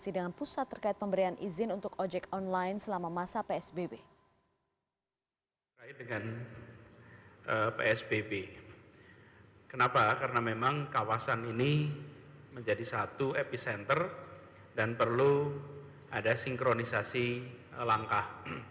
dan perlu ada sinkronisasi langkah